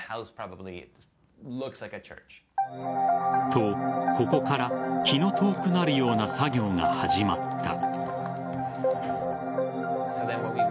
と、ここから気の遠くなるような作業が始まった。